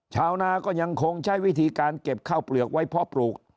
ชาวนาก็ยังคงใช้วิธีการเก็บข้าวเปลือกไว้เพาะปลูก